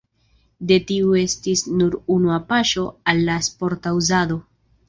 De tiu estis nur unua paŝo al la sporta uzado.